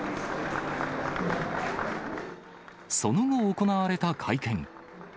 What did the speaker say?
その後、行われた会見。